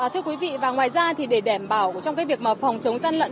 thưa quý vị và ngoài ra thì để đảm bảo trong cái việc mà phòng chống gian lận